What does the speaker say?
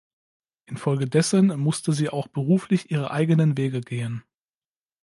Infolgedessen musste sie auch beruflich ihre eigenen Wege gehen.